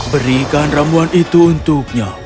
berikan rambuan itu untuknya